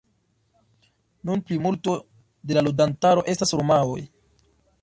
Nun plimulto de la loĝantaro estas romaoj.